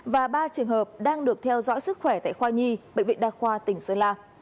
và ba trường hợp đang được theo dõi sức khỏe tại khoa nhi bệnh viện đa khoa tỉnh sơn la